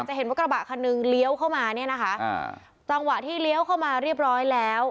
จะเห็นว่ากระบะคันนึงเลี้ยวเข้ามาเนี่ยนะคะอ่าจังหวะที่เลี้ยวเข้ามาเรียบร้อยแล้ว